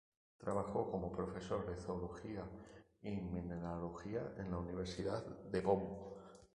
Trabajó como profesor de zoología y mineralogía en la Universidad de Bonn.